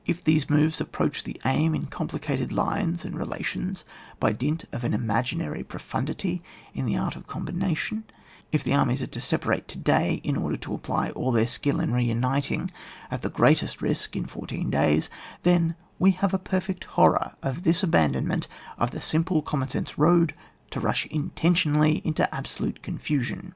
81 these moves approach the aim in com plicated lines and relations by dint of an imaginary profundity in the art of com bination, if the armies are to separate to day in order to apply all their skill in reimiting at the greatest risk in four teen days — ^then we have a perfect horror of this abandonment of the direct simple common sense road to rush intentionidly into absolute confusion.